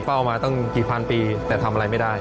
เฝ้ามาตั้งกี่พันปีแต่ทำอะไรไม่ได้